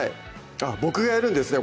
僕がやるんですね